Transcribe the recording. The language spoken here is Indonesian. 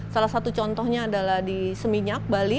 salah satu contohnya adalah di seminyak bali